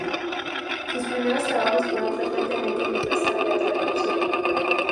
Sus primeros trabajos fueron frecuentemente asociados al teatro del absurdo.